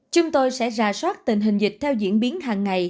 chúng tôi sẽ ra soát tình hình dịch theo diễn biến hàng ngày